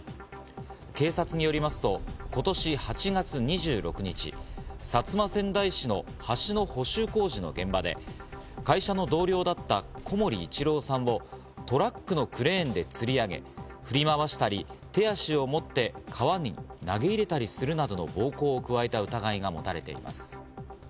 警察によりますと今年８月２６日、薩摩川内市の橋の補修工事の現場で会社の同僚だった小森一郎さんをトラックのクレーンでつり上げ振り回したり、手足を持って川に投げ入れたりするなどの暴行を加えた疑いがもたれています。